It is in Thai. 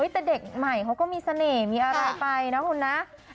แต่เด็กใหม่เขาก็มีเสน่ห์มีอะไรไปนะคุณนะ